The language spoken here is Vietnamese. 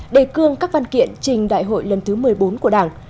đề cương các văn kiện trình đại hội lần thứ một mươi bốn của đảng